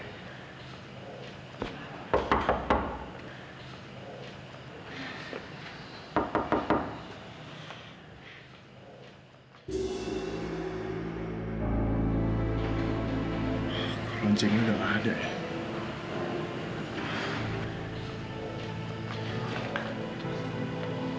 rojengnya udah gak ada ya